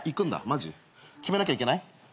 マジ？決めなきゃいけない？